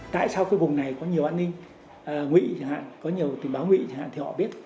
tại sao cái vùng này có nhiều an ninh ngụy chẳng hạn có nhiều tình báo ngụy chẳng hạn thì họ biết